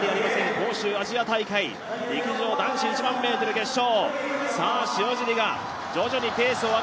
杭州アジア大会、陸上男子１００００ｍ決勝。